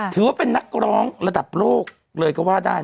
ถือว่าเป็นนักร้องระดับโลกเลยก็ว่าได้